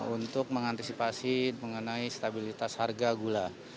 untuk mengantisipasi mengenai stabilitas harga gula